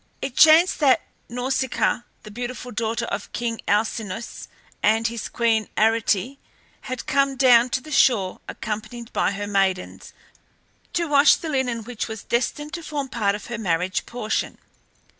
It chanced that Nausicaa, the beautiful daughter of king Alcinous and his queen Arete, had come down to the shore, accompanied by her maidens, to wash the linen which was destined to form part of her marriage portion.